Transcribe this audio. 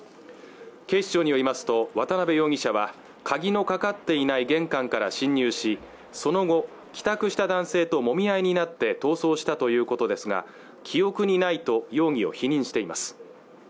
警視庁によりますと渡辺容疑者は鍵のかかっていない玄関から侵入しその後帰宅した男性ともみ合いになって逃走したということですが記憶にないと容疑を否認しています